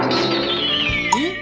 えっ？